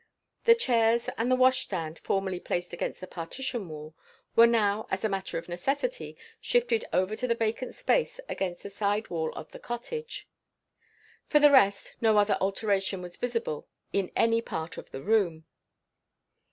The chairs and the washhand stand, formerly placed against the partition wall, were now, as a matter of necessity, shifted over to the vacant space against the side wall of the cottage. For the rest, no other alteration was visible in any part of the room.